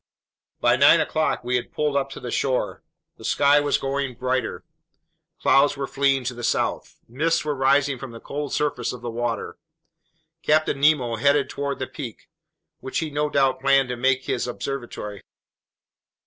By nine o'clock we had pulled up to shore. The sky was growing brighter. Clouds were fleeing to the south. Mists were rising from the cold surface of the water. Captain Nemo headed toward the peak, which he no doubt planned to make his observatory.